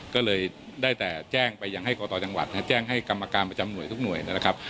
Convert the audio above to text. ก็เลยได้แต่แจ้งไปยังให้กตจังหวัดแจ้งให้กรรมการประจำหน่วยทุกหน่วยนะครับ